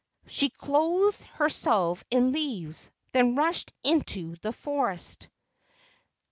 She clothed her¬ self in leaves, then rushed into the forest.